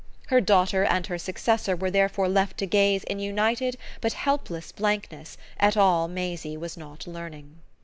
Her daughter and her successor were therefore left to gaze in united but helpless blankness at all Maisie was not learning.